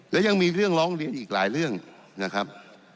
และยังมีเรื่องร้องเรียนอีกหลายเรื่องนะครับ